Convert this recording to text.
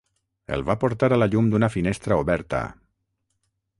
El va portar a la llum d'una finestra oberta.